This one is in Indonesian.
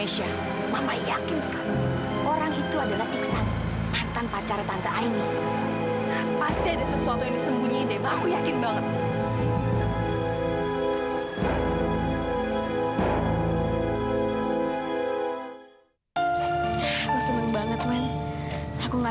sampai jumpa di video selanjutnya